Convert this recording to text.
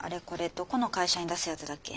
どこの会社に出すやつだっけ。